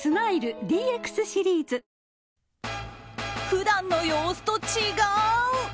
普段の様子と違う！